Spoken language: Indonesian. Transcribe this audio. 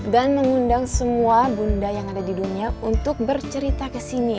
dan mengundang semua bunda yang ada di dunia untuk bercerita kesini